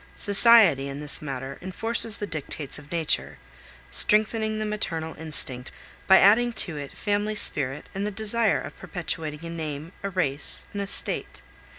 Society, in this matter, enforces the dictates of nature, strengthening the maternal instinct by adding to it family spirit and the desire of perpetuating a name, a race, an estate.